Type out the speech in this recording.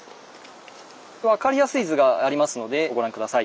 分かりやすい図がありますのでご覧下さい。